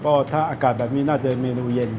ก็ถ้าอากาศแบบนี้น่าจะเมนูเย็น